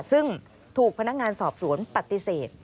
ซึ่งถูกพนักงานสอบสวนปฏิเสธ